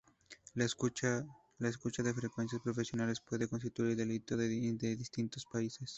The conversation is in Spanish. La escucha de frecuencias profesionales puede constituir delito en distintos países.